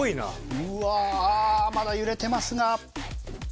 うわまだ揺れてますが。